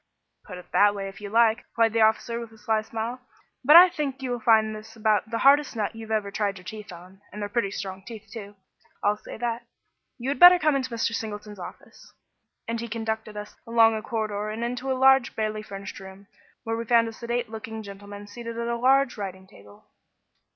"Put it that way if you like," replied the officer, with a sly smile, "but I think you will find this about the hardest nut you ever tried your teeth on and they're pretty strong teeth too, I'll say that. You had better come into Mr. Singleton's office," and he conducted us along a corridor and into a large, barely furnished room, where we found a sedate looking gentleman seated at a large writing table.